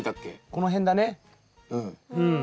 この辺だねうん。